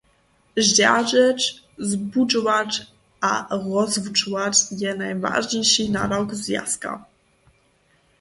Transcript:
Zdźeržeć, zbudźować a rozwučować je najwažniši nadawk zwjazka.